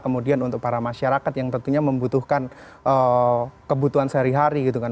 kemudian untuk para masyarakat yang tentunya membutuhkan kebutuhan sehari hari gitu kan